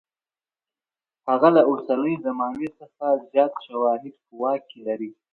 هغه له اوسنۍ زمانې څخه زیات شواهد په واک کې لري.